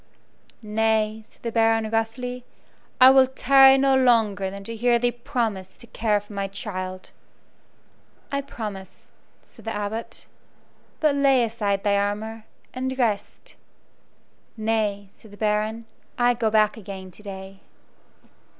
"Nay," said the Baron, roughly, "I will tarry no longer than to hear thee promise to care for my child." "I promise," said the Abbot; "but lay aside thy armor, and rest." "Nay," said the Baron, "I go back again to day."